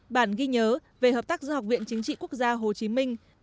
bản ghi nhớ về hợp tác giữa học viện chính trị quốc gia hồ chí minh